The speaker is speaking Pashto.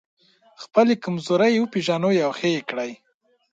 خپلې کمزورۍ وپېژنئ او ښه يې کړئ.